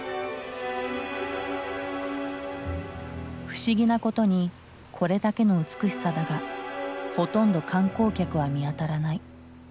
不思議なことにこれだけの美しさだがほとんど観光客は見当たらない。